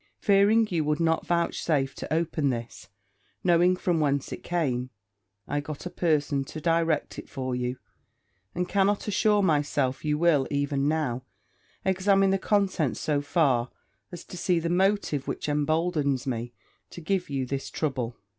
Fearing you would not vouchsafe to open this, knowing from whence it came, I got a person to direct it for you; and cannot assure myself you will, even now, examine the contents so far as to see the motive which emboldens me to give you this trouble.